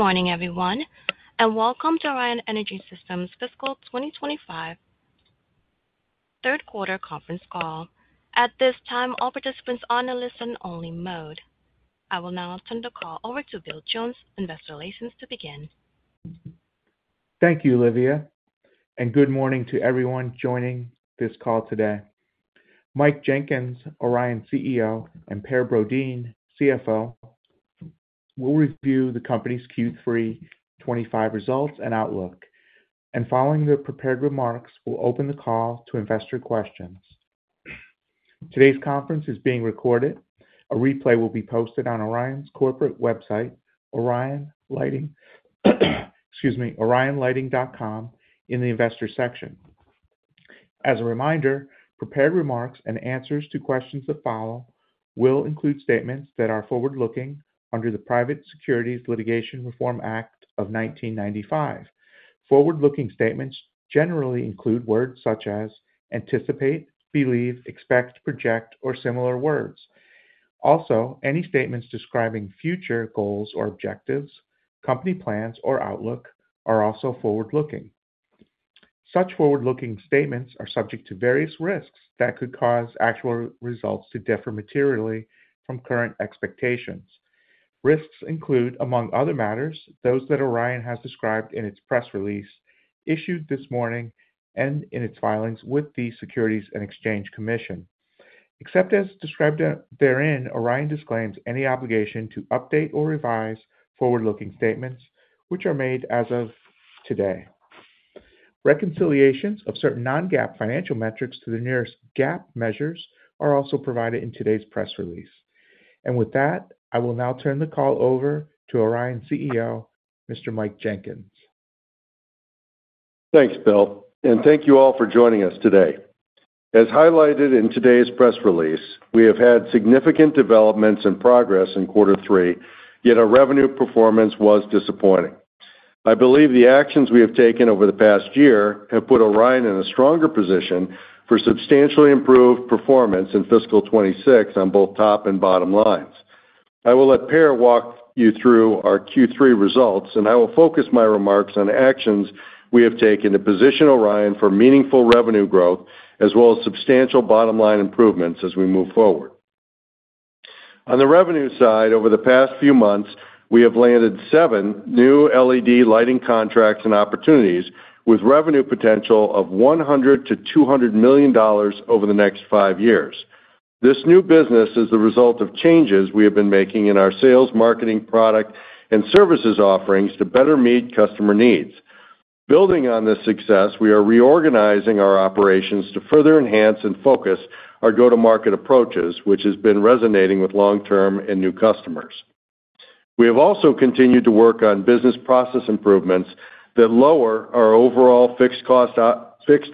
Good morning, everyone, and welcome to Orion Energy Systems' Fiscal 2025 Third-Quarter Conference Call. At this time, all participants are on a listen-only mode. I will now turn the call over to Bill Jones, Investor Relations, to begin. Thank you, Olivia, and good morning to everyone joining this call today. Mike Jenkins, Orion CEO, and Per Brodin, CFO, will review the company's Q3 2025 results and outlook. Following the prepared remarks, we'll open the call to investor questions. Today's conference is being recorded. A replay will be posted on Orion's corporate website, orionlighting.com, in the investor section. As a reminder, prepared remarks and answers to questions that follow will include statements that are forward-looking under the Private Securities Litigation Reform Act of 1995. Forward-looking statements generally include words such as anticipate, believe, expect, project, or similar words. Also, any statements describing future goals or objectives, company plans, or outlook are also forward-looking. Such forward-looking statements are subject to various risks that could cause actual results to differ materially from current expectations. Risks include, among other matters, those that Orion has described in its press release issued this morning and in its filings with the Securities and Exchange Commission. Except as described therein, Orion disclaims any obligation to update or revise forward-looking statements, which are made as of today. Reconciliations of certain Non-GAAP Financial Metrics to the nearest GAAP measures are also provided in today's press release. With that, I will now turn the call over to Orion CEO, Mr. Mike Jenkins. Thanks, Bill, and thank you all for joining us today. As highlighted in today's press release, we have had significant developments and progress in quarter three, yet our revenue performance was disappointing. I believe the actions we have taken over the past year have put Orion in a stronger position for substantially improved performance in Fiscal 2026 on both top and bottom lines. I will let Per walk you through our Q3 results, and I will focus my remarks on actions we have taken to position Orion for meaningful revenue growth as well as substantial bottom-line improvements as we move forward. On the revenue side, over the past few months, we have landed seven new LED lighting contracts and opportunities with revenue potential of $100 million-$200 million over the next five years. This new business is the result of changes we have been making in our sales, marketing, product, and services offerings to better meet customer needs. Building on this success, we are reorganizing our operations to further enhance and focus our go-to-market approaches, which has been resonating with long-term and new customers. We have also continued to work on business process improvements that lower our overall fixed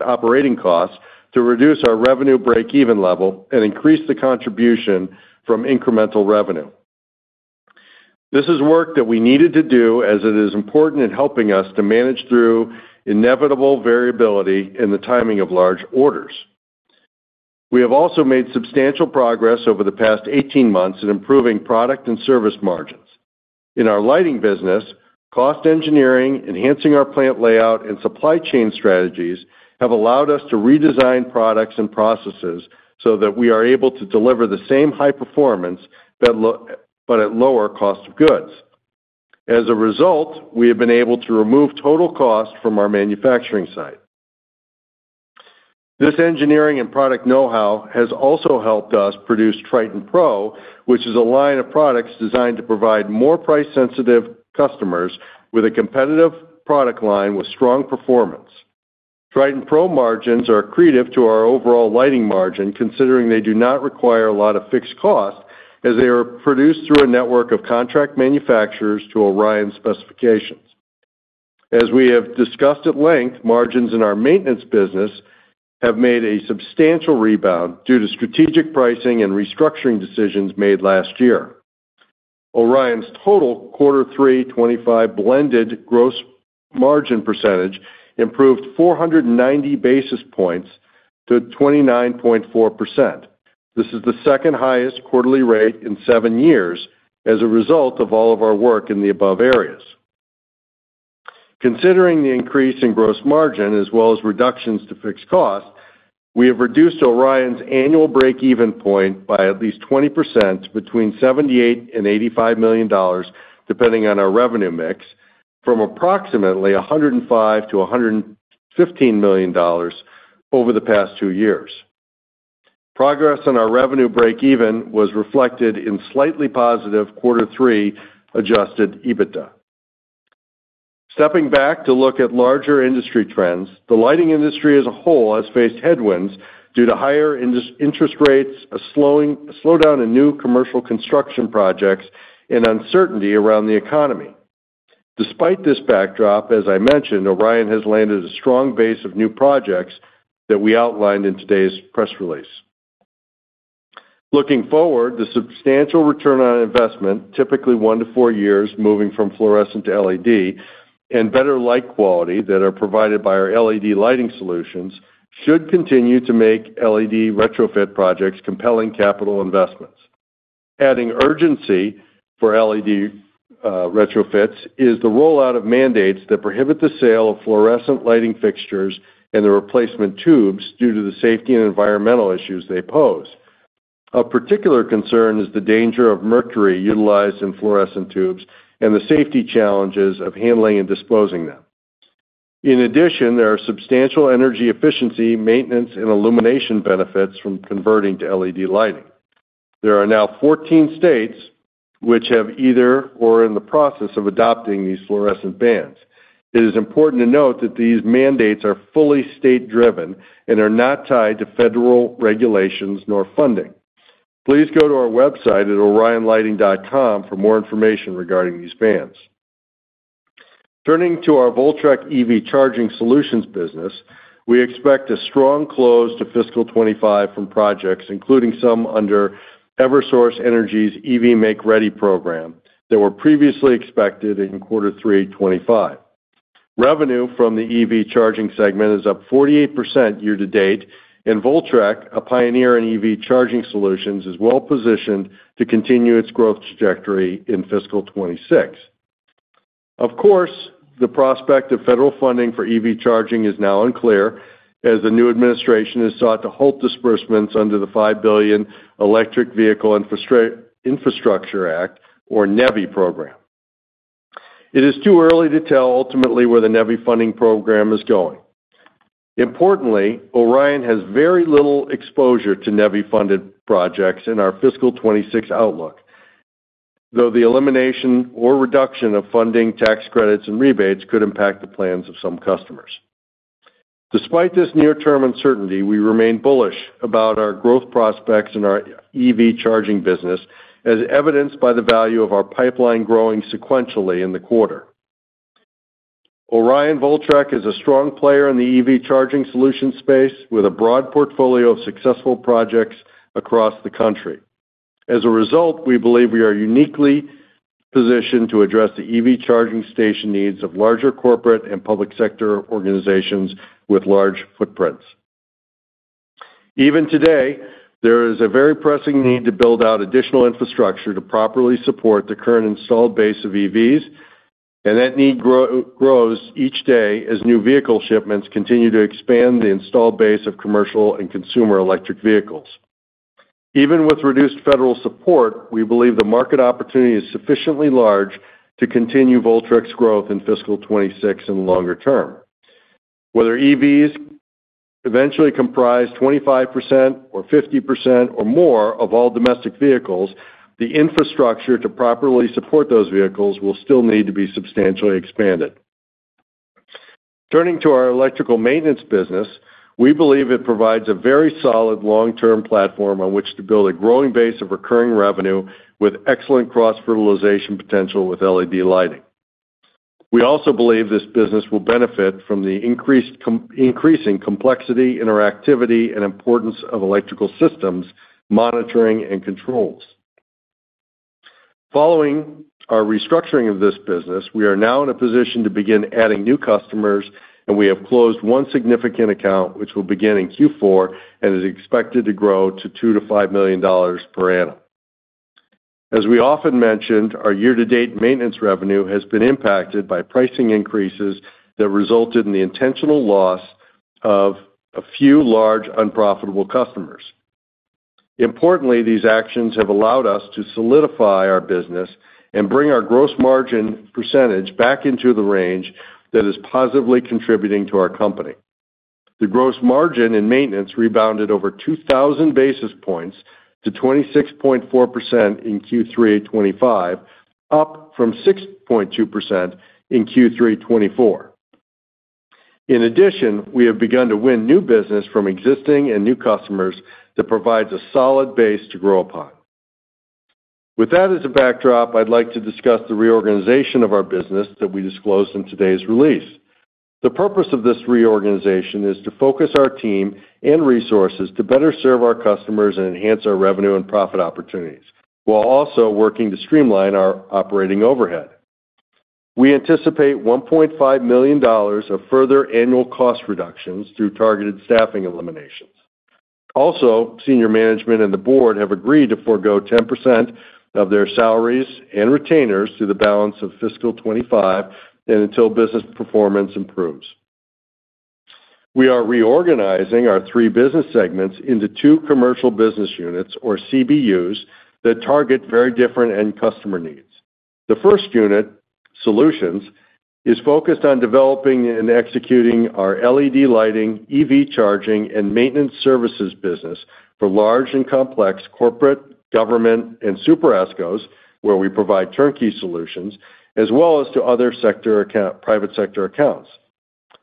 operating costs to reduce our revenue break-even level and increase the contribution from incremental revenue. This is work that we needed to do as it is important in helping us to manage through inevitable variability in the timing of large orders. We have also made substantial progress over the past 18 months in improving product and service margins. In our lighting business, cost engineering, enhancing our plant layout, and supply chain strategies have allowed us to redesign products and processes so that we are able to deliver the same high performance but at lower cost of goods. As a result, we have been able to remove total cost from our manufacturing site. This engineering and product know-how has also helped us produce Triton Pro, which is a line of products designed to provide more price-sensitive customers with a competitive product line with strong performance. Triton Pro margins are accretive to our overall lighting margin, considering they do not require a lot of fixed cost as they are produced through a network of contract manufacturers to Orion's specifications. As we have discussed at length, margins in our maintenance business have made a substantial rebound due to strategic pricing and restructuring decisions made last year. Orion's total quarter three 2025 blended gross margin percentage improved 490 basis points to 29.4%. This is the second highest quarterly rate in seven years as a result of all of our work in the above areas. Considering the increase in gross margin as well as reductions to fixed cost, we have reduced Orion's annual break-even point by at least 20% between $78 million and $85 million, depending on our revenue mix, from approximately $105 million-$115 million over the past two years. Progress on our revenue break-even was reflected in slightly positive quarter three adjusted EBITDA. Stepping back to look at larger industry trends, the lighting industry as a whole has faced headwinds due to higher interest rates, a slowdown in new commercial construction projects, and uncertainty around the economy. Despite this backdrop, as I mentioned, Orion has landed a strong base of new projects that we outlined in today's press release. Looking forward, the substantial return on investment, typically one to four years moving from fluorescent to LED, and better light quality that are provided by our LED lighting solutions should continue to make LED retrofit projects compelling capital investments. Adding urgency for LED retrofits is the rollout of mandates that prohibit the sale of fluorescent lighting fixtures and the replacement tubes due to the safety and environmental issues they pose. A particular concern is the danger of mercury utilized in fluorescent tubes and the safety challenges of handling and disposing of them. In addition, there are substantial energy efficiency, maintenance, and illumination benefits from converting to LED lighting. There are now 14 states which have either or are in the process of adopting these fluorescent bans. It is important to note that these mandates are fully state-driven and are not tied to federal regulations nor funding. Please go to our website at orionlighting.com for more information regarding these bans. Turning to our Voltrek EV charging solutions business, we expect a strong close to Fiscal 2025 from projects, including some under Eversource Energy's EV Make Ready program that were previously expected in quarter three 2025. Revenue from the EV charging segment is up 48% year to date, and Voltrek, a pioneer in EV charging solutions, is well positioned to continue its growth trajectory in fiscal 2026. Of course, the prospect of federal funding for EV charging is now unclear as the new administration has sought to halt disbursements under the $5 billion Electric Vehicle Infrastructure Act, or NEVI program. It is too early to tell ultimately where the NEVI funding program is going. Importantly, Orion has very little exposure to NEVI-funded projects in our fiscal 2026 outlook, though the elimination or reduction of funding, tax credits, and rebates could impact the plans of some customers. Despite this near-term uncertainty, we remain bullish about our growth prospects in our EV charging business, as evidenced by the value of our pipeline growing sequentially in the quarter. Orion Voltrek is a strong player in the EV charging solution space with a broad portfolio of successful projects across the country. As a result, we believe we are uniquely positioned to address the EV charging station needs of larger corporate and public sector organizations with large footprints. Even today, there is a very pressing need to build out additional infrastructure to properly support the current installed base of EVs, and that need grows each day as new vehicle shipments continue to expand the installed base of commercial and consumer electric vehicles. Even with reduced federal support, we believe the market opportunity is sufficiently large to continue Voltrek's growth in fiscal 2026 and longer term. Whether EVs eventually comprise 25% or 50% or more of all domestic vehicles, the infrastructure to properly support those vehicles will still need to be substantially expanded. Turning to our electrical maintenance business, we believe it provides a very solid long-term platform on which to build a growing base of recurring revenue with excellent cross-fertilization potential with LED lighting. We also believe this business will benefit from the increasing complexity, interactivity, and importance of electrical systems, monitoring, and controls. Following our restructuring of this business, we are now in a position to begin adding new customers, and we have closed one significant account, which will begin in Q4 and is expected to grow to $2-$5 million per annum. As we often mentioned, our year-to-date maintenance revenue has been impacted by pricing increases that resulted in the intentional loss of a few large unprofitable customers. Importantly, these actions have allowed us to solidify our business and bring our gross margin percentage back into the range that is positively contributing to our company. The gross margin in maintenance rebounded over 2,000 basis points to 26.4% in Q3 2025, up from 6.2% in Q3 2024. In addition, we have begun to win new business from existing and new customers that provides a solid base to grow upon. With that as a backdrop, I'd like to discuss the reorganization of our business that we disclosed in today's release. The purpose of this reorganization is to focus our team and resources to better serve our customers and enhance our revenue and profit opportunities, while also working to streamline our operating overhead. We anticipate $1.5 million of further annual cost reductions through targeted staffing eliminations. Also, senior management and the board have agreed to forgo 10% of their salaries and retainers through the balance of Fiscal 2025 and until business performance improves. We are reorganizing our three business segments into two commercial business units, or CBUs, that target very different end customer needs. The first unit, Solutions, is focused on developing and executing our LED lighting, EV charging, and maintenance services business for large and complex corporate, government, and super ESCOs, where we provide turnkey solutions, as well as to other private sector accounts.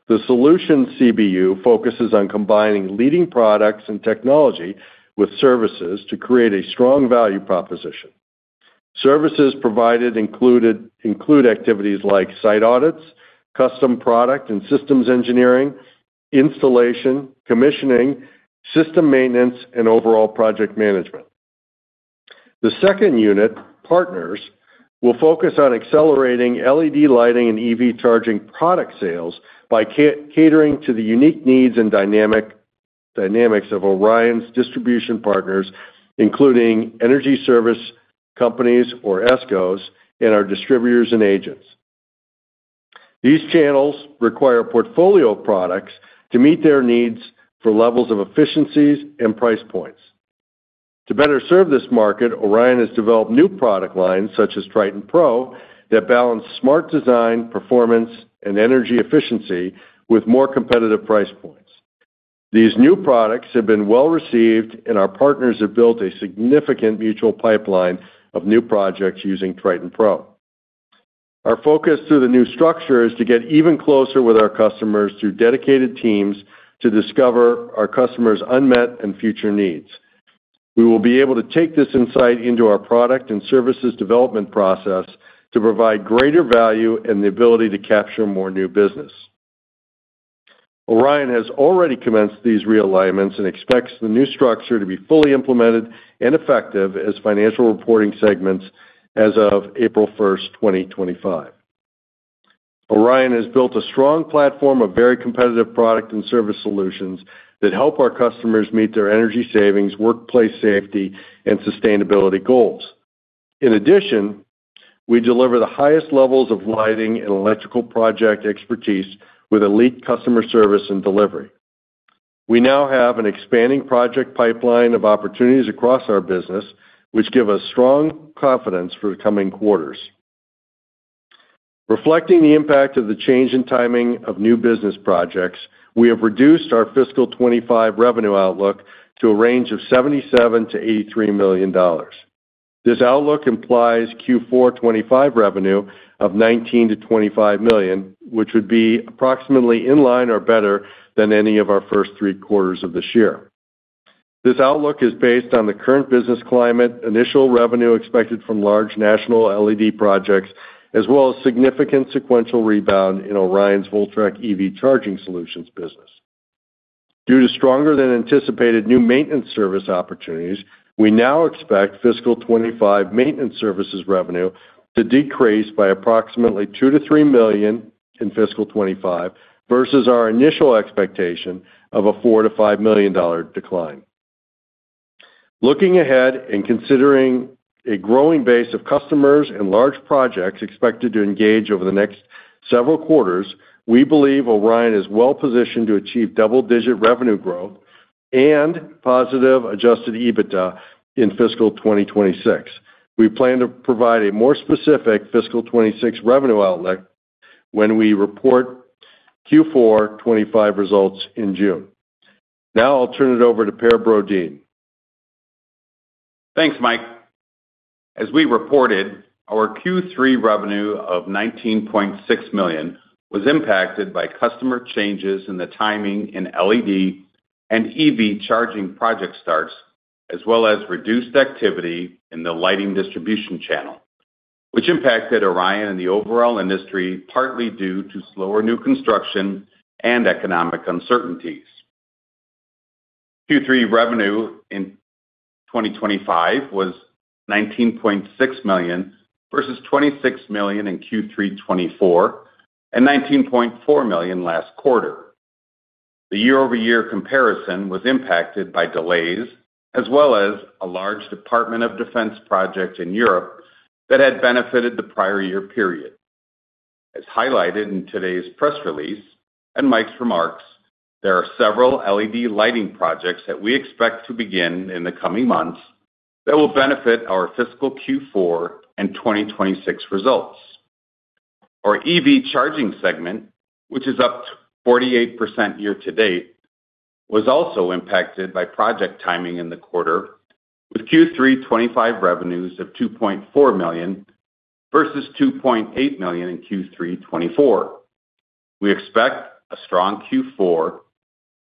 The Solutions CBU focuses on combining leading products and technology with services to create a strong value proposition. Services provided include activities like site audits, custom product and systems engineering, installation, commissioning, system maintenance, and overall project management. The second unit, Partners, will focus on accelerating LED lighting and EV charging product sales by catering to the unique needs and dynamics of Orion's distribution partners, including energy service companies or ESCOs, and our distributors and agents. These channels require portfolio products to meet their needs for levels of efficiencies and price points. To better serve this market, Orion has developed new product lines, such as Triton Pro, that balance smart design, performance, and energy efficiency with more competitive price points. These new products have been well received, and our partners have built a significant mutual pipeline of new projects using Triton Pro. Our focus through the new structure is to get even closer with our customers through dedicated teams to discover our customers' unmet and future needs. We will be able to take this insight into our product and services development process to provide greater value and the ability to capture more new business. Orion has already commenced these realignments and expects the new structure to be fully implemented and effective as financial reporting segments as of April 1st, 2025. Orion has built a strong platform of very competitive product and service solutions that help our customers meet their energy savings, workplace safety, and sustainability goals. In addition, we deliver the highest levels of lighting and electrical project expertise with elite customer service and delivery. We now have an expanding project pipeline of opportunities across our business, which gives us strong confidence for the coming quarters. Reflecting the impact of the change in timing of new business projects, we have reduced our fiscal 2025 revenue outlook to a range of $77 million-$83 million. This outlook implies Q4 2025 revenue of $19 million-$25 million, which would be approximately in line or better than any of our first three quarters of this year. This outlook is based on the current business climate, initial revenue expected from large national LED projects, as well as significant sequential rebound in Orion's Voltrek EV charging solutions business. Due to stronger-than-anticipated new maintenance service opportunities, we now expect fiscal 2025 maintenance services revenue to decrease by approximately $2 million-$3 million in fiscal 2025 versus our initial expectation of a $4 million-$5 million decline. Looking ahead and considering a growing base of customers and large projects expected to engage over the next several quarters, we believe Orion is well positioned to achieve double-digit revenue growth and positive adjusted EBITDA in Fiscal 2026. We plan to provide a more specific Fiscal 2026 revenue outlook when we report Q4 2025 results in June. Now I'll turn it over to Per Brodin. Thanks, Mike.nAs we reported, our Q3 revenue of $19.6 million was impacted by customer changes in the timing in LED and EV charging project starts, as well as reduced activity in the lighting distribution channel, which impacted Orion and the overall industry partly due to slower new construction and economic uncertainties. Q3 revenue in 2025 was $19.6 million versus $26 million in Q3 2024 and $19.4 million last quarter. The year-over-year comparison was impacted by delays, as well as a large Department of Defense project in Europe that had benefited the prior year period. As highlighted in today's press release and Mike's remarks, there are several LED lighting projects that we expect to begin in the coming months that will benefit our Fiscal Q4 and 2026 results. Our EV charging segment, which is up 48% year to date, was also impacted by project timing in the quarter, with Q3 2025 revenues of $2.4 million versus $2.8 million in Q3 2024. We expect a strong Q4,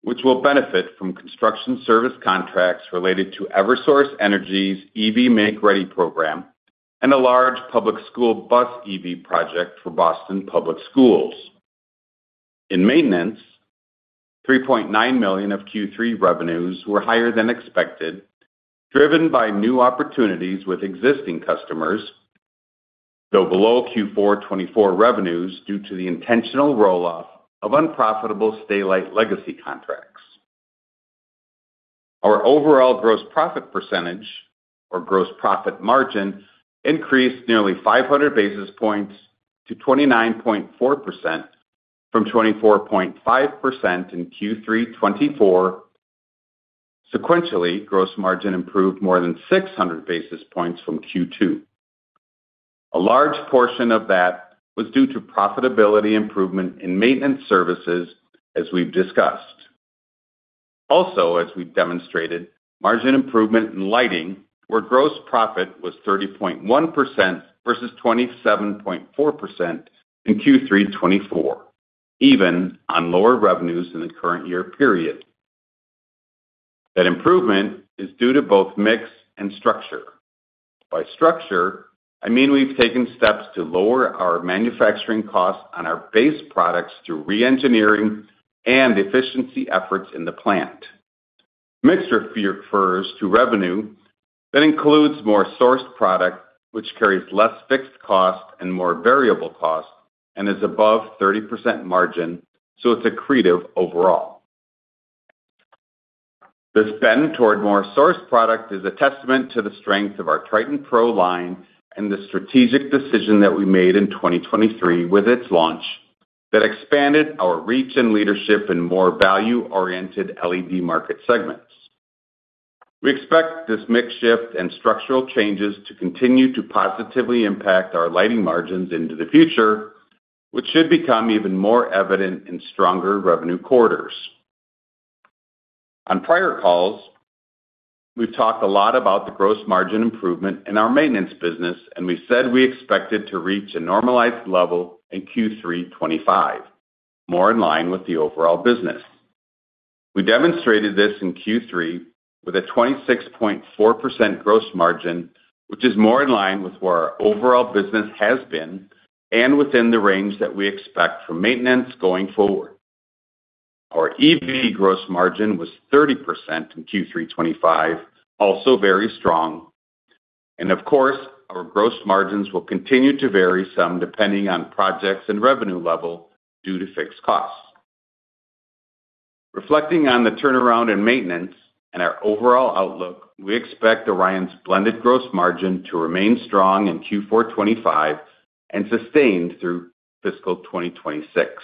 which will benefit from construction service contracts related to Eversource Energy's EV Make Ready program and a large public school bus EV project for Boston Public Schools. In maintenance, $3.9 million of Q3 revenues were higher than expected, driven by new opportunities with existing customers, though below Q4 2024 revenues due to the intentional roll-off of unprofitable Stay-Lite legacy contracts. Our overall gross profit percentage, or gross profit margin, increased nearly 500 basis points to 29.4% from 24.5% in Q3 2024. Sequentially, gross margin improved more than 600 basis points from Q2. A large portion of that was due to profitability improvement in maintenance services, as we've discussed. Also, as we've demonstrated, margin improvement in lighting, where gross profit was 30.1% versus 27.4% in Q3 2024, even on lower revenues in the current year period. That improvement is due to both mix and structure. By structure, I mean we've taken steps to lower our manufacturing costs on our base products through re-engineering and efficiency efforts in the plant. Mixture refers to revenue that includes more sourced product, which carries less fixed cost and more variable cost and is above 30% margin, so it's accretive overall. This bend toward more sourced product is a testament to the strength of our Triton Pro line and the strategic decision that we made in 2023 with its launch that expanded our reach and leadership in more value-oriented LED market segments. We expect this mix shift and structural changes to continue to positively impact our lighting margins into the future, which should become even more evident in stronger revenue quarters. On prior calls, we've talked a lot about the gross margin improvement in our maintenance business, and we said we expected to reach a normalized level in Q3 2025, more in line with the overall business. We demonstrated this in Q3 with a 26.4% gross margin, which is more in line with where our overall business has been and within the range that we expect for maintenance going forward. Our EV gross margin was 30% in Q3 2025, also very strong. Of course, our gross margins will continue to vary some depending on projects and revenue level due to fixed costs. Reflecting on the turnaround in maintenance and our overall outlook, we expect Orion's blended gross margin to remain strong in Q4 2025 and sustained through Fiscal 2026.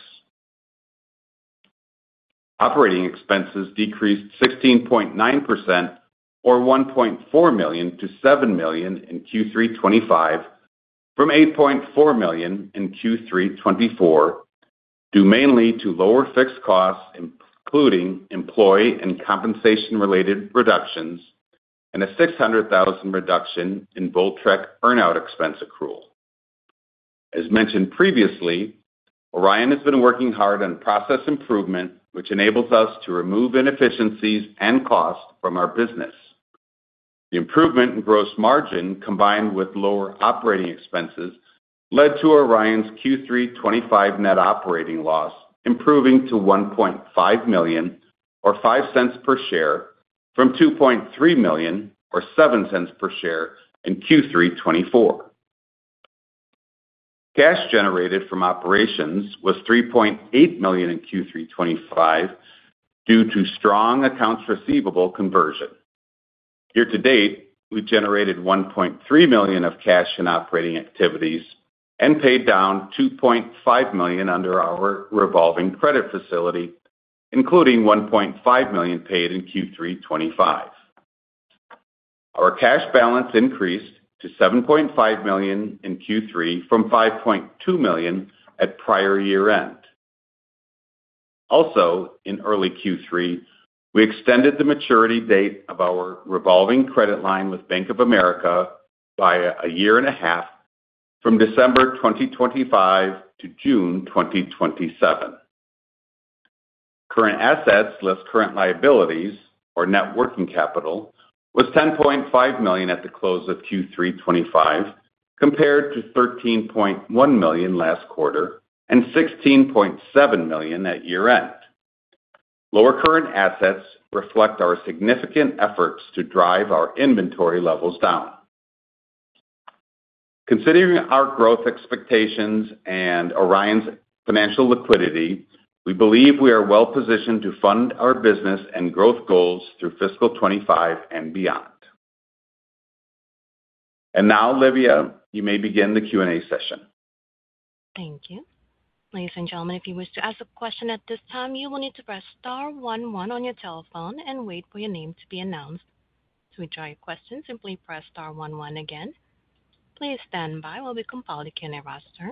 Operating expenses decreased 16.9%, or $1.4 million to $7 million in Q3 2025, from $8.4 million in Q3 2024, due mainly to lower fixed costs, including employee and compensation-related reductions and a $600,000 reduction in Voltrek earn-out expense accrual. As mentioned previously, Orion has been working hard on process improvement, which enables us to remove inefficiencies and costs from our business. The improvement in gross margin, combined with lower operating expenses, led to Orion's Q3 2025 net operating loss improving to $1.5 million, or $0.05 per share, from $2.3 million, or $0.07 per share in Q3 2024. Cash generated from operations was $3.8 million in Q3 2025 due to strong accounts receivable conversion. Year to date, we generated $1.3 million of cash in operating activities and paid down $2.5 million under our revolving credit facility, including $1.5 million paid in Q3 2025. Our cash balance increased to $7.5 million in Q3 from $5.2 million at prior year-end. Also, in early Q3, we extended the maturity date of our revolving credit line with Bank of America by a year and a half, from December 2025 to June 2027. Current assets less current liabilities, or net working capital, was $10.5 million at the close of Q3 2025, compared to $13.1 million last quarter and $16.7 million at year-end. Lower current assets reflect our significant efforts to drive our inventory levels down. Considering our growth expectations and Orion's financial liquidity, we believe we are well positioned to fund our business and growth goals through fiscal 2025 and beyond. Now, Olivia, you may begin the Q&A session. Thank you. Ladies and gentlemen, if you wish to ask a question at this time, you will need to press star one one on your telephone and wait for your name to be announced. To withdraw your question, simply press star one one again. Please stand by while we compile the Q&A roster.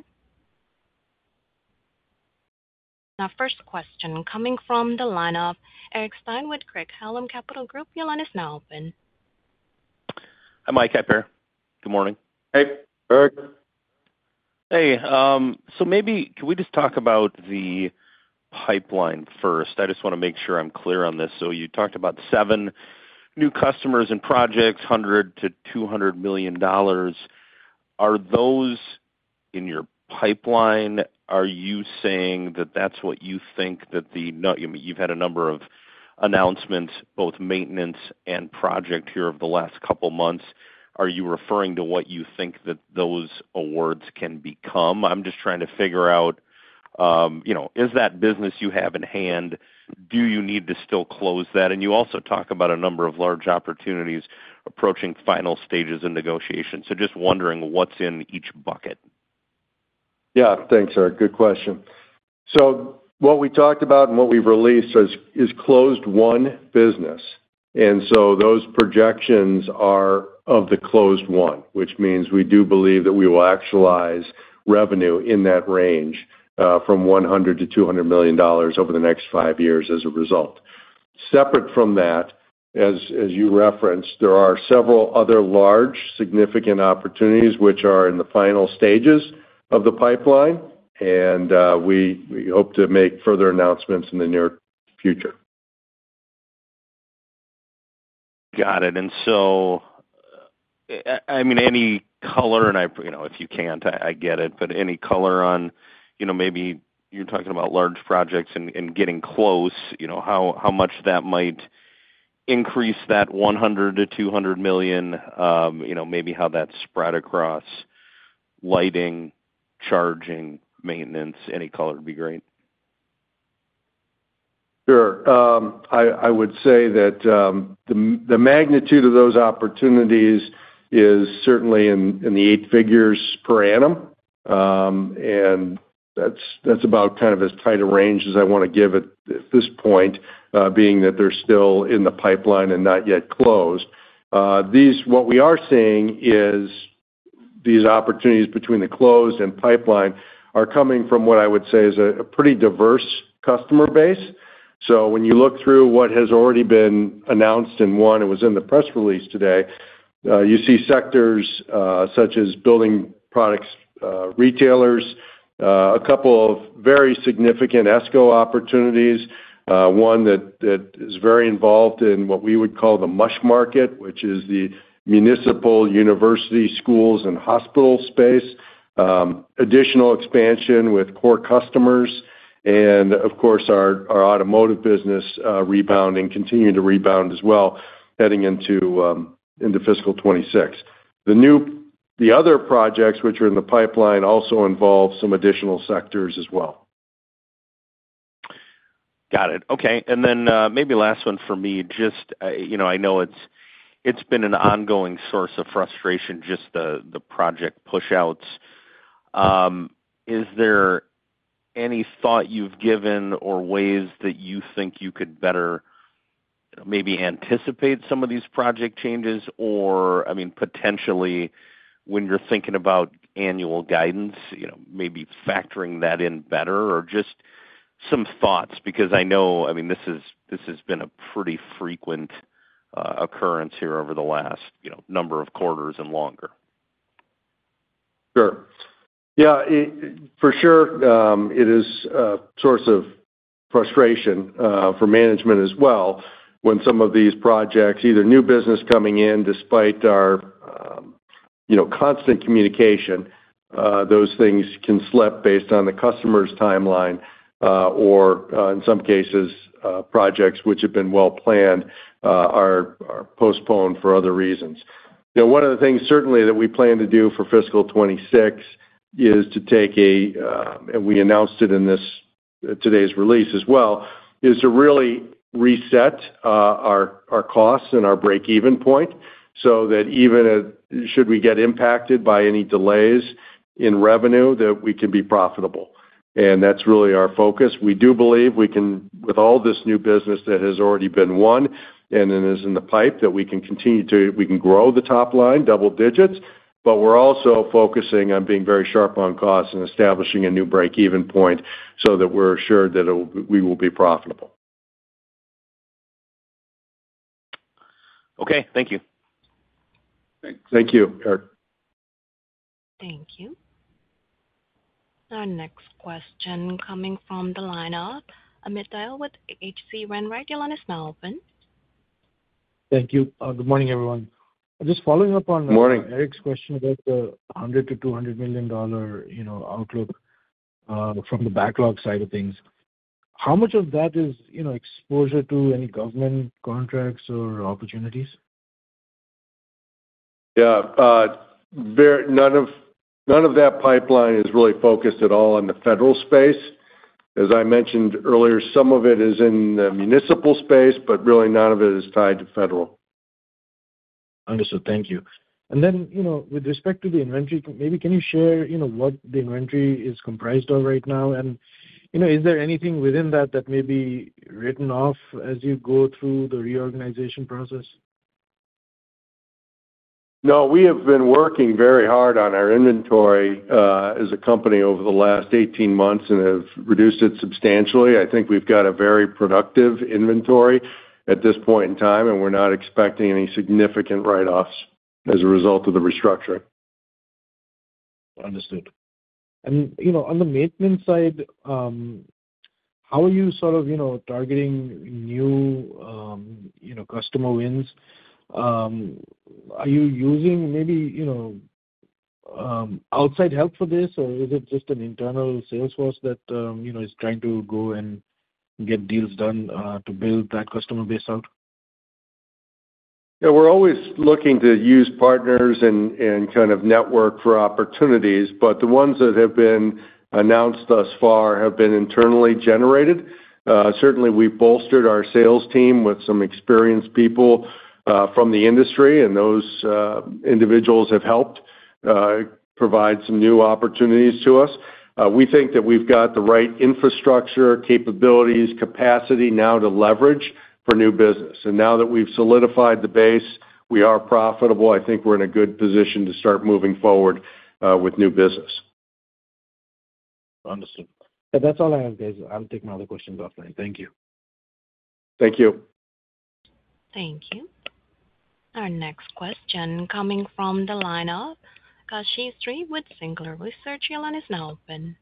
First question coming from the line of Eric Stine with Craig-Hallum Capital Group. Your line is now open. Hi, Mike. Hi, Per. Good morning. Hey. Eric. Hey. Maybe can we just talk about the pipeline first? I just want to make sure I'm clear on this. You talked about seven new customers and projects, $100 million-$200 million. Are those in your pipeline? Are you saying that that's what you think that the—I mean, you've had a number of announcements, both maintenance and project here, over the last couple of months. Are you referring to what you think that those awards can become? I'm just trying to figure out, is that business you have in hand, do you need to still close that? You also talk about a number of large opportunities approaching final stages of negotiation. Just wondering what's in each bucket. Yeah. Thanks, Eric. Good question. What we talked about and what we've released is closed one business. Those projections are of the closed one, which means we do believe that we will actualize revenue in that range from $100 million-$200 million over the next five years as a result. Separate from that, as you referenced, there are several other large, significant opportunities which are in the final stages of the pipeline, and we hope to make further announcements in the near future. Got it. I mean, any color—and if you can't, I get it—but any color on maybe you're talking about large projects and getting close, how much that might increase that $100 million-$200 million, maybe how that's spread across lighting, charging, maintenance, any color would be great. Sure. I would say that the magnitude of those opportunities is certainly in the eight figures per annum. And that's about kind of as tight a range as I want to give it at this point, being that they're still in the pipeline and not yet closed. What we are seeing is these opportunities between the closed and pipeline are coming from what I would say is a pretty diverse customer base. When you look through what has already been announced in one—it was in the press release today—you see sectors such as building products, retailers, a couple of very significant ESCO opportunities, one that is very involved in what we would call the MUSH market, which is the municipal, university, schools, and hospital space, additional expansion with core customers, and of course, our automotive business rebounding, continuing to rebound as well heading into Fiscal 2026. The other projects which are in the pipeline also involve some additional sectors as well. Got it. Okay. Maybe last one for me, just I know it's been an ongoing source of frustration, just the project push-outs. Is there any thought you've given or ways that you think you could better maybe anticipate some of these project changes? Or, I mean, potentially, when you're thinking about annual guidance, maybe factoring that in better or just some thoughts? Because I know, I mean, this has been a pretty frequent occurrence here over the last number of quarters and longer. Sure. Yeah. For sure, it is a source of frustration for management as well when some of these projects, either new business coming in despite our constant communication, those things can slip based on the customer's timeline, or in some cases, projects which have been well planned are postponed for other reasons. One of the things certainly that we plan to do for Fiscal 2026 is to take a—and we announced it in today's release as well—is to really reset our costs and our break-even point so that even should we get impacted by any delays in revenue, that we can be profitable. That's really our focus. We do believe we can, with all this new business that has already been won and is in the pipe, that we can continue to—we can grow the top line, double digits, but we're also focusing on being very sharp on costs and establishing a new break-even point so that we're assured that we will be profitable. Okay. Thank you. Thanks. Thank you, Eric. Thank you. Our next question coming from the line of Amit Dayal with H.C. Wainwright, Your line is now open. Thank you. Good morning, everyone. Just following up on Eric's question about the $100 million-$200 million outlook from the backlog side of things, how much of that is exposure to any government contracts or opportunities? Yeah. None of that pipeline is really focused at all on the federal space. As I mentioned earlier, some of it is in the municipal space, but really none of it is tied to federal. Understood. Thank you. With respect to the inventory, maybe can you share what the inventory is comprised of right now? Is there anything within that that may be written off as you go through the reorganization process? No. We have been working very hard on our inventory as a company over the last 18 months and have reduced it substantially. I think we've got a very productive inventory at this point in time, and we're not expecting any significant write-offs as a result of the restructuring. Understood. On the maintenance side, how are you sort of targeting new customer wins? Are you using maybe outside help for this, or is it just an internal sales force that is trying to go and get deals done to build that customer base out? Yeah. We're always looking to use partners and kind of network for opportunities, but the ones that have been announced thus far have been internally generated. Certainly, we bolstered our sales team with some experienced people from the industry, and those individuals have helped provide some new opportunities to us. We think that we've got the right infrastructure, capabilities, capacity now to leverage for new business. Now that we've solidified the base, we are profitable. I think we're in a good position to start moving forward with new business. Understood. That's all I have, guys. I'll take my other questions offline. Thank you. Thank you. Thank you. Our next question coming from the line of Uncertain with Singular Research. Your line is now open.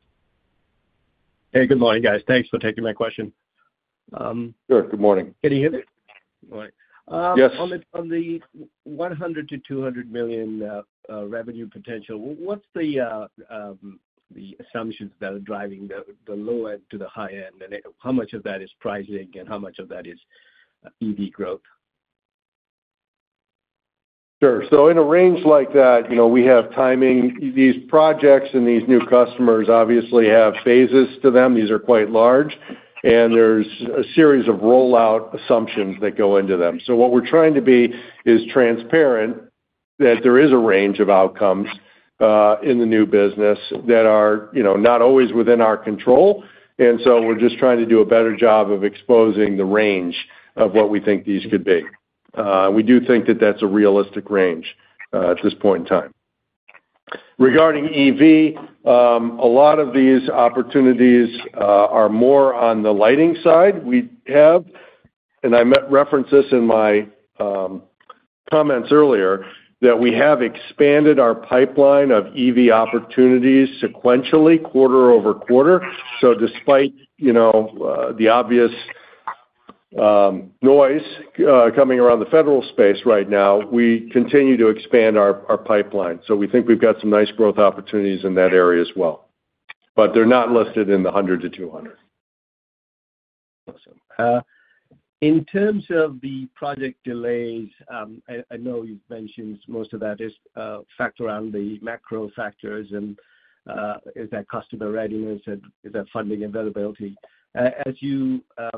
Hey. Good morning, guys. Thanks for taking my question. Sure. Good morning. Can you hear me? Yes. On the $100 million-$200 million revenue potential, what's the assumptions that are driving the low end to the high end? And how much of that is pricing, and how much of that is EV growth? Sure. In a range like that, we have timing. These projects and these new customers obviously have phases to them. These are quite large, and there's a series of rollout assumptions that go into them. What we're trying to be is transparent that there is a range of outcomes in the new business that are not always within our control. We're just trying to do a better job of exposing the range of what we think these could be. We do think that that's a realistic range at this point in time. Regarding EV, a lot of these opportunities are more on the lighting side we have. I referenced this in my comments earlier, that we have expanded our pipeline of EV opportunities sequentially, quarter-over-quarter. Despite the obvious noise coming around the federal space right now, we continue to expand our pipeline. We think we've got some nice growth opportunities in that area as well, but they're not listed in the $100-$200. Awesome. In terms of the project delays, I know you've mentioned most of that is factored on the macro factors, and is that customer readiness, is that funding availability? Are there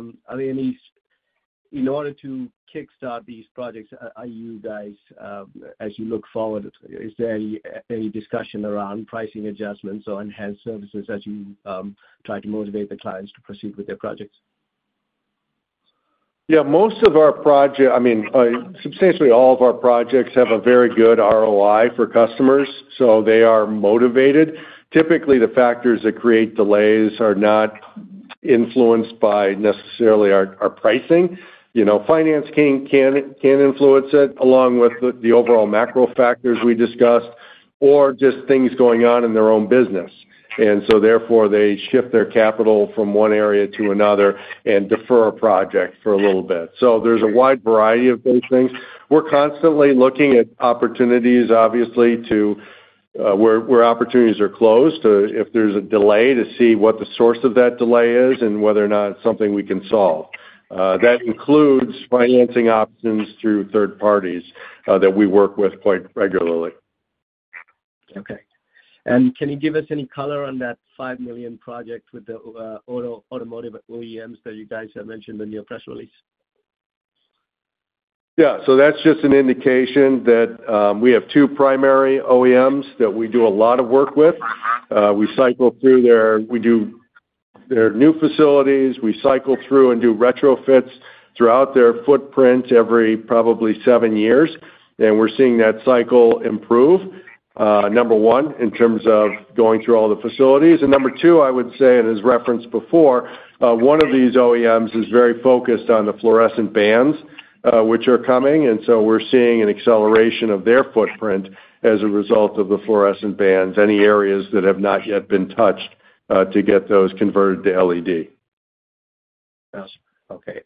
any—in order to kickstart these projects, are you guys, as you look forward, is there any discussion around pricing adjustments or enhanced services as you try to motivate the clients to proceed with their projects? Yeah. Most of our projects—I mean, substantially all of our projects—have a very good ROI for customers, so they are motivated. Typically, the factors that create delays are not influenced by necessarily our pricing. Finance can influence it along with the overall macro factors we discussed or just things going on in their own business. Therefore, they shift their capital from one area to another and defer a project for a little bit. There is a wide variety of those things. We're constantly looking at opportunities, obviously, to where opportunities are closed, if there's a delay, to see what the source of that delay is and whether or not it's something we can solve. That includes financing options through third parties that we work with quite regularly. Okay. Can you give us any color on that $5 million project with the automotive OEMs that you guys have mentioned in your press release? Yeah. That's just an indication that we have two primary OEMs that we do a lot of work with. We cycle through their—we do their new facilities. We cycle through and do retrofits throughout their footprint every probably seven years. We're seeing that cycle improve, number one, in terms of going through all the facilities. Number two, I would say, and as referenced before, one of these OEMs is very focused on the fluorescent bans which are coming. We are seeing an acceleration of their footprint as a result of the fluorescent bans, any areas that have not yet been touched to get those converted to LED. Okay.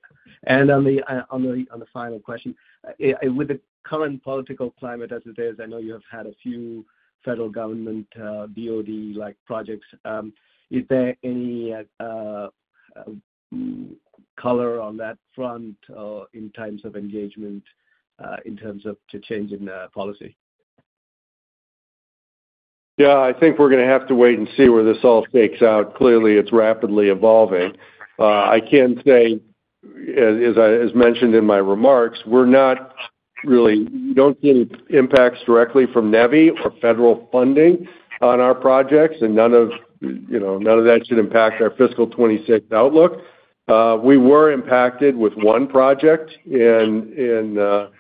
On the final question, with the current political climate as it is, I know you have had a few federal government DoD-like projects. Is there any color on that front in terms of engagement, in terms of the change in policy? Yeah. I think we are going to have to wait and see where this all fakes out. Clearly, it is rapidly evolving. I can say, as mentioned in my remarks, we're not really—we don't see any impacts directly from NEVI or federal funding on our projects, and none of that should impact our Fiscal 2026 outlook. We were impacted with one project that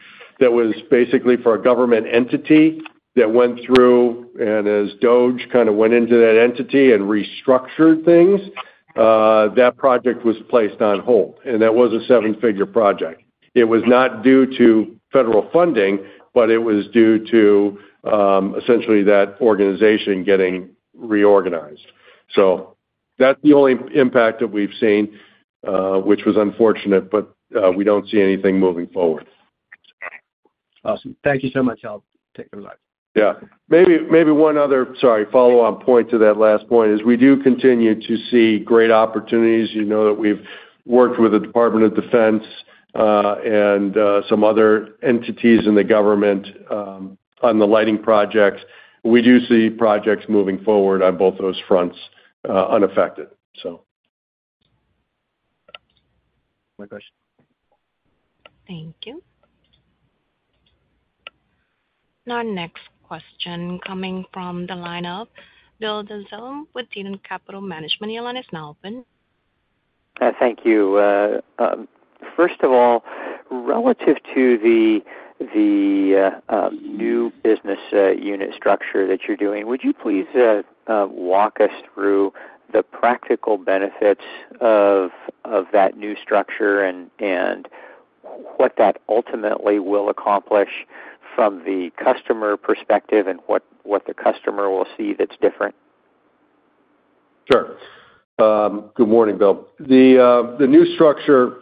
was basically for a government entity that went through, and as DoD kind of went into that entity and restructured things, that project was placed on hold. That was a seven-figure project. It was not due to federal funding, but it was due to essentially that organization getting reorganized. That is the only impact that we've seen, which was unfortunate, but we don't see anything moving forward. Awesome. Thank you so much. I'll take your remarks. Yeah. Maybe one other—sorry—follow-on point to that last point is we do continue to see great opportunities. You know that we've worked with the Department of Defense and some other entities in the government on the lighting projects. We do see projects moving forward on both those fronts unaffected. My question. Thank you. Our next question coming from the line of Bill Dezellem with Tieton Capital Management. Your line is now open. Thank you. First of all, relative to the new business unit structure that you're doing, would you please walk us through the practical benefits of that new structure and what that ultimately will accomplish from the customer perspective and what the customer will see that's different? Sure. Good morning, Bill. The new structure,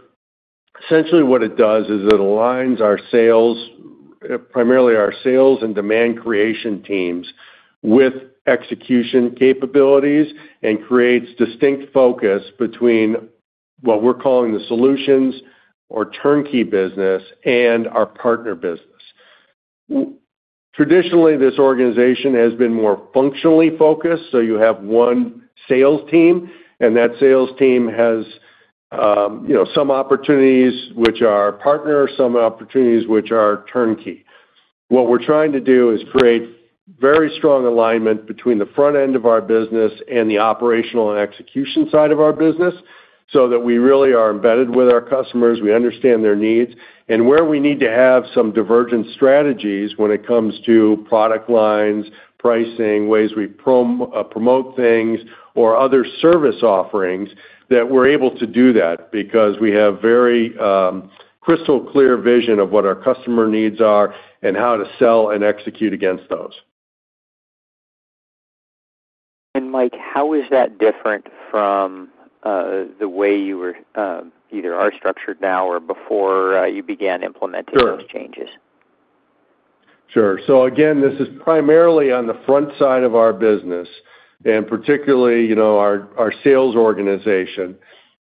essentially what it does is it aligns our sales, primarily our sales and demand creation teams with execution capabilities and creates distinct focus between what we're calling the solutions or turnkey business and our partner business. Traditionally, this organization has been more functionally focused, so you have one sales team, and that sales team has some opportunities which are partners, some opportunities which are turnkey. What we're trying to do is create very strong alignment between the front end of our business and the operational and execution side of our business so that we really are embedded with our customers, we understand their needs, and where we need to have some divergent strategies when it comes to product lines, pricing, ways we promote things, or other service offerings that we're able to do that because we have very crystal clear vision of what our customer needs are and how to sell and execute against those. Mike, how is that different from the way you were either structured now or before you began implementing those changes? Sure. Sure. This is primarily on the front side of our business, and particularly our sales organization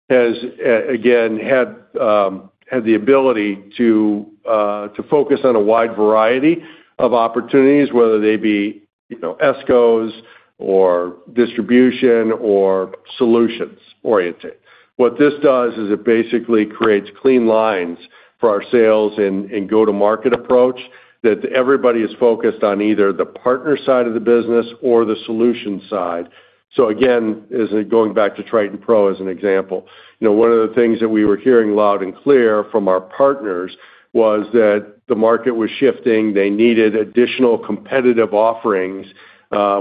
has, again, had the ability to focus on a wide variety of opportunities, whether they be ESCOs or distribution or solutions oriented. What this does is it basically creates clean lines for our sales and go-to-market approach that everybody is focused on either the partner side of the business or the solution side. Going back to Triton Pro as an example, one of the things that we were hearing loud and clear from our partners was that the market was shifting. They needed additional competitive offerings,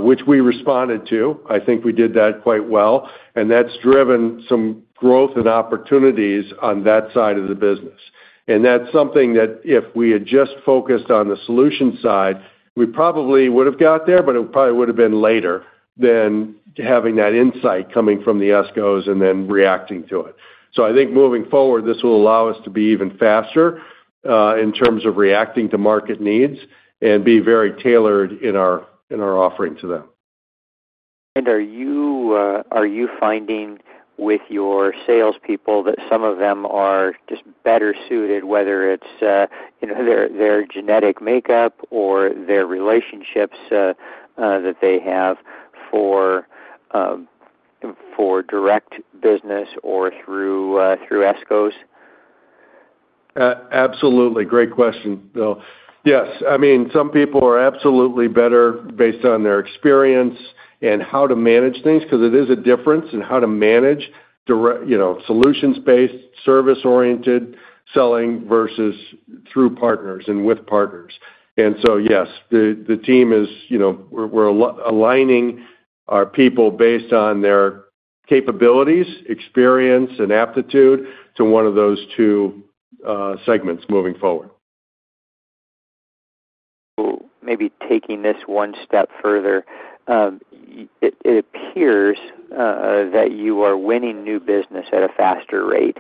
which we responded to. I think we did that quite well, and that's driven some growth and opportunities on that side of the business. That is something that if we had just focused on the solution side, we probably would have got there, but it probably would have been later than having that insight coming from the ESCOs and then reacting to it. I think moving forward, this will allow us to be even faster in terms of reacting to market needs and be very tailored in our offering to them. Are you finding with your salespeople that some of them are just better suited, whether it is their genetic makeup or their relationships that they have for direct business or through ESCOs? Absolutely. Great question, Bill. Yes. I mean, some people are absolutely better based on their experience and how to manage things because it is a difference in how to manage solutions-based, service-oriented selling versus through partners and with partners. Yes, the team is we're aligning our people based on their capabilities, experience, and aptitude to one of those two segments moving forward. Maybe taking this one step further, it appears that you are winning new business at a faster rate.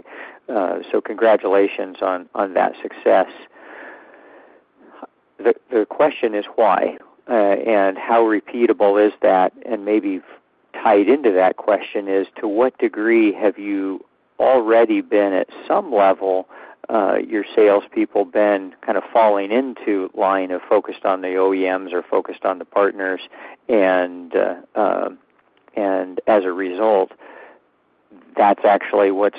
So congratulations on that success. The question is why, and how repeatable is that? And maybe tied into that question is, to what degree have you already been at some level, your salespeople, been kind of falling into line of focused on the OEMs or focused on the partners? And as a result, that's actually what's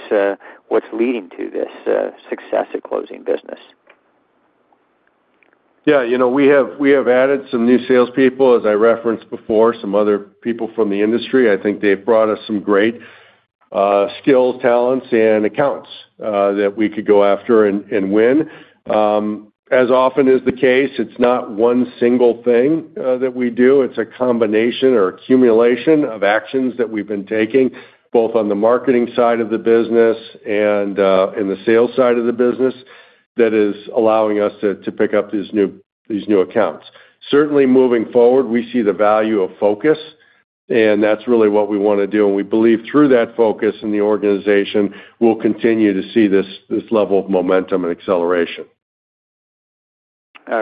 leading to this success at closing business. Yeah. We have added some new salespeople, as I referenced before, some other people from the industry. I think they've brought us some great skills, talents, and accounts that we could go after and win. As often is the case, it's not one single thing that we do. It's a combination or accumulation of actions that we've been taking both on the marketing side of the business and in the sales side of the business that is allowing us to pick up these new accounts. Certainly, moving forward, we see the value of focus, and that's really what we want to do. We believe through that focus in the organization, we'll continue to see this level of momentum and acceleration.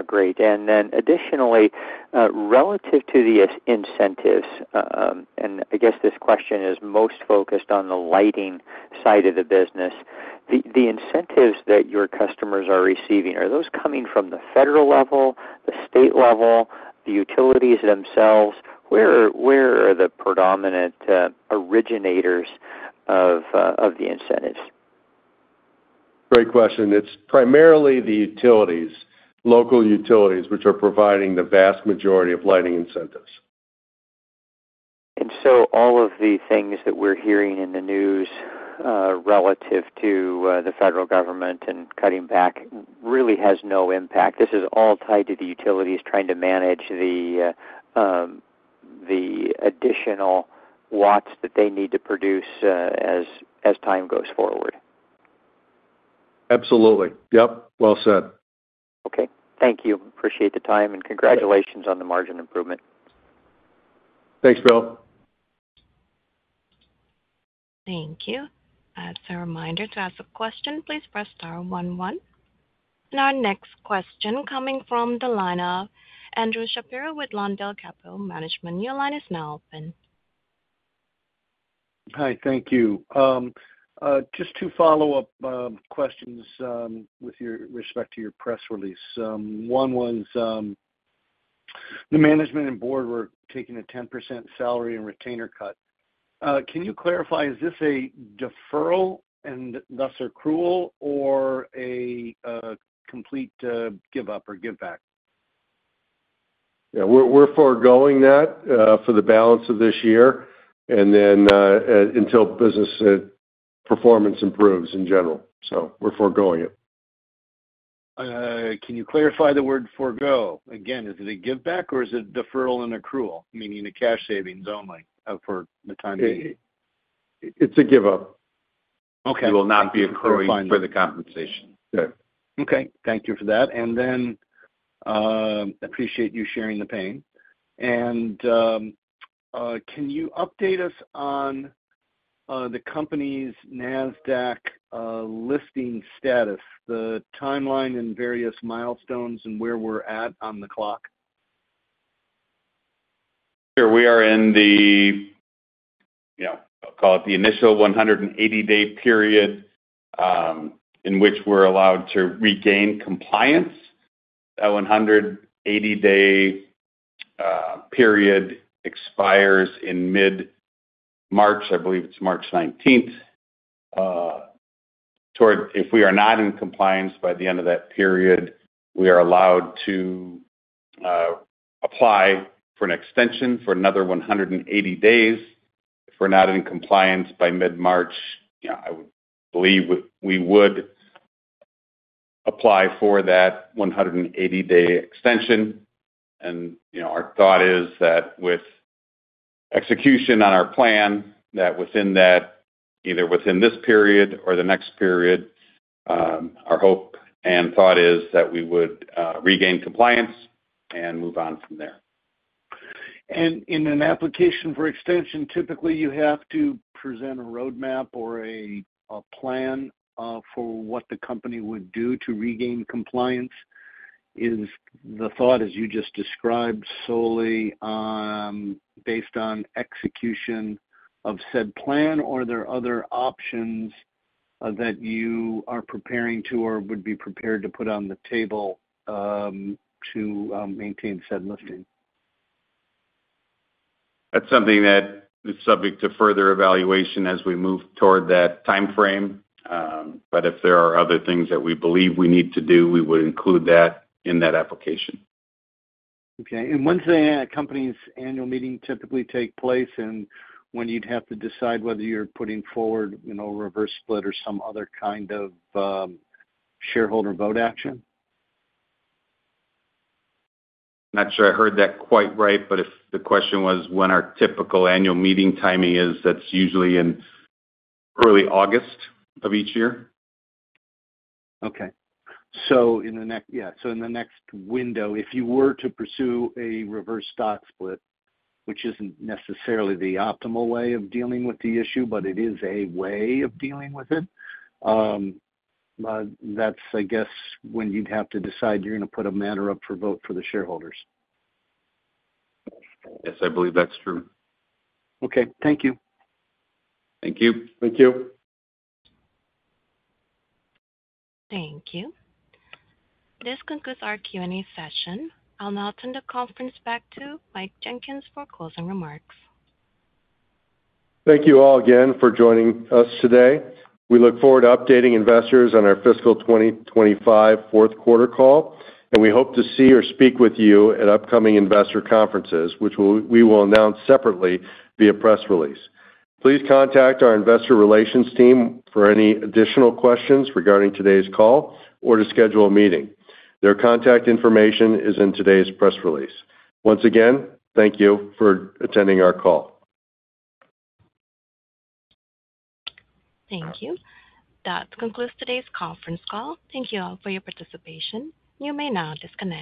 Great. Additionally, relative to the incentives, and I guess this question is most focused on the lighting side of the business, the incentives that your customers are receiving, are those coming from the federal level, the state level, the utilities themselves? Where are the predominant originators of the incentives? Great question. It's primarily the utilities, local utilities, which are providing the vast majority of lighting incentives. All of the things that we're hearing in the news relative to the federal government and cutting back really has no impact. This is all tied to the utilities trying to manage the additional watts that they need to produce as time goes forward. Absolutely. Yep. Well said. Thank you. Appreciate the time, and congratulations on the margin improvement. Thanks, Bill. Thank you. As a reminder to ask a question, please press star one one. Our next question coming from the line of Andrew Shapiro with Lawndale Capital Management. Your line is now open. Hi. Thank you. Just two follow-up questions with respect to your press release. One was the management and board were taking a 10% salary and retainer cut. Can you clarify, is this a deferral and thus accrual or a complete give-up or give-back? Yeah. We're forgoing that for the balance of this year and then until business performance improves in general. So we're forgoing it. Can you clarify the word forgo? Again, is it a give-back or is it deferral and accrual, meaning the cash savings only for the time being? It's a give-up. It will not be accruing for the compensation. Okay. Thank you for that. I appreciate you sharing the pain. Can you update us on the company's NASDAQ listing status, the timeline and various milestones and where we're at on the clock? Sure. We are in the, yeah, I'll call it the initial 180-day period in which we're allowed to regain compliance. That 180-day period expires in mid-March. I believe it's March 19th. If we are not in compliance by the end of that period, we are allowed to apply for an extension for another 180 days. If we're not in compliance by mid-March, I would believe we would apply for that 180-day extension. Our thought is that with execution on our plan, that within that, either within this period or the next period, our hope and thought is that we would regain compliance and move on from there. In an application for extension, typically you have to present a roadmap or a plan for what the company would do to regain compliance. Is the thought, as you just described, solely based on execution of said plan, or are there other options that you are preparing to or would be prepared to put on the table to maintain said listing? That's something that is subject to further evaluation as we move toward that timeframe. If there are other things that we believe we need to do, we would include that in that application. Okay. When does a company's annual meeting typically take place and when would you have to decide whether you're putting forward a reverse split or some other kind of shareholder vote action? I'm not sure I heard that quite right, but if the question was when our typical annual meeting timing is, that's usually in early August of each year. Okay. In the next—yeah. In the next window, if you were to pursue a reverse stock split, which isn't necessarily the optimal way of dealing with the issue, but it is a way of dealing with it, that's, I guess, when you'd have to decide you're going to put a manner up for vote for the shareholders. Yes. I believe that's true. Okay. Thank you. Thank you. Thank you. Thank you. This concludes our Q&A session. I'll now turn the conference back to Mike Jenkins for closing remarks. Thank you all again for joining us today. We look forward to updating investors on our Fiscal 2025 Fourth Quarter Call, and we hope to see or speak with you at upcoming investor conferences, which we will announce separately via press release. Please contact our investor relations team for any additional questions regarding today's call or to schedule a meeting. Their contact information is in today's press release. Once again, thank you for attending our call. Thank you. That concludes today's conference call. Thank you all for your participation. You may now disconnect.